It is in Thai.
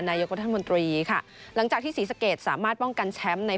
นายกรัฐมนตรีค่ะหลังจากที่ศรีสะเกดสามารถป้องกันแชมป์ใน